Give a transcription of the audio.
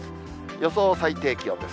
予想最低気温です。